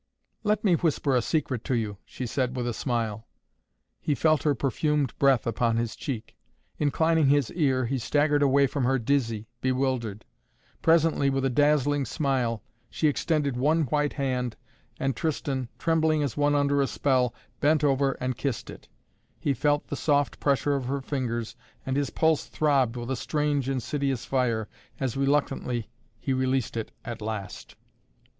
"Let me whisper a secret to you!" she said with a smile. He felt her perfumed breath upon his cheek. Inclining his ear he staggered away from her dizzy, bewildered. Presently, with a dazzling smile, she extended one white hand and Tristan, trembling as one under a spell, bent over and kissed it. He felt the soft pressure of her fingers and his pulse throbbed with a strange, insidious fire, as reluctantly he released it at last.